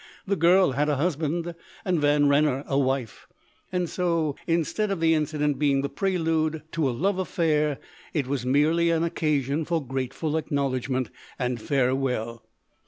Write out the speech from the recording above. the girl had a husband, and Van Renner a wife; and so, instead of the incident being the prelude to a love affair, it was merely an occasion for grateful acknowledgment and farewell.